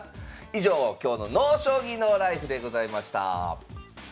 以上今日の「ＮＯ将棋ＮＯＬＩＦＥ」でございました。